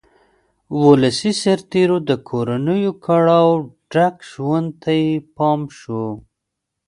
ولسي سرتېرو د کورنیو کړاوه ډک ژوند ته یې پام شو.